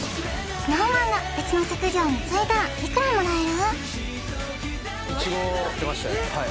ＳｎｏｗＭａｎが別の職業についたらいくらもらえる？